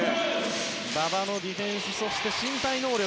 馬場のディフェンスそして、身体能力。